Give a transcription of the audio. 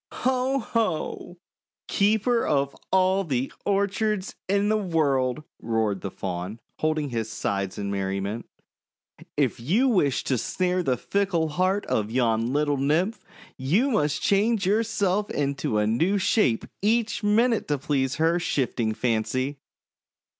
*' Ho ! ho ! Keeper of All the Orchards in the World!' roared the Faun, holding his sides in merriment; " if you wish to snare the fickle heart of yon little Nymph, you must change yourself into a new shape each minute, to please her shifting fancy."